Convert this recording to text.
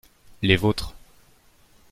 Les vôtres.